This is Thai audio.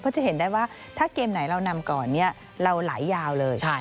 จะเห็นได้ว่าถ้าเกมไหนเรานำก่อนเราไหลยาวเลย